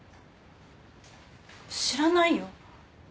知らないよ。